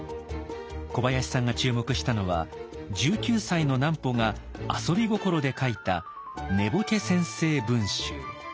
小林さんが注目したのは１９歳の南畝が遊び心で書いた「寝惚先生文集」。